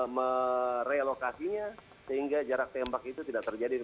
merelokasinya sehingga jarak tembak itu tidak terjadi